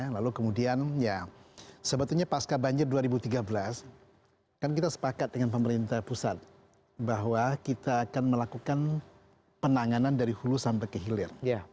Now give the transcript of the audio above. lalu kemudian ya sebetulnya pasca banjir dua ribu tiga belas kan kita sepakat dengan pemerintah pusat bahwa kita akan melakukan penanganan dari hulu sampai ke hilir